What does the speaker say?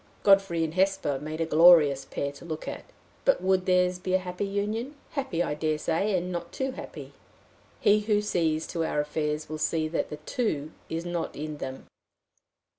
Godfrey and Hesper made a glorious pair to look at but would theirs be a happy union? Happy, I dare say and not too happy. He who sees to our affairs will see that the too is not in them.